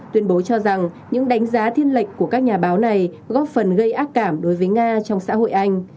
tuyên bố cho rằng những đánh giá thiên lệch của các nhà báo này góp phần gây ác cảm đối với nga trong xã hội anh